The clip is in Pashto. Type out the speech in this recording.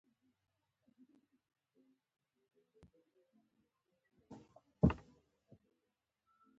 یو څو ورځي یې لا ووهل زورونه